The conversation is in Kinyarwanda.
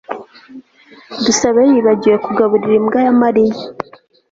dusabe yibagiwe kugaburira imbwa ya Mariya